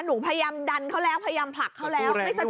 หนูพยายามดันเขาแล้วพยายามผลักเขาแล้วไม่สะท